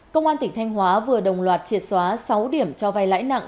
công an tỉnh thanh hóa vừa đồng loạt triệt xóa sáu điểm cho vay lãi nặng